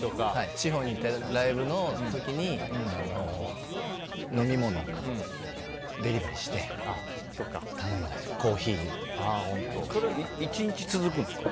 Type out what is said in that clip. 地方に行ったライブの時に飲み物、デリバリーして頼んだりコーヒーをとか。それは１日続くんですか？